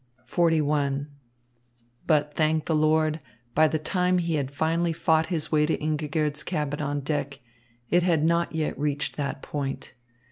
XLI But, thank the Lord, by the time he had finally fought his way to Ingigerd's cabin on deck, it had not yet reached that point.